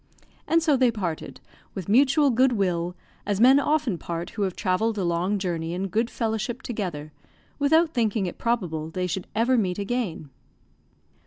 And so they parted, with mutual good will, as men often part who have travelled a long journey in good fellowship together, without thinking it probable they should ever meet again.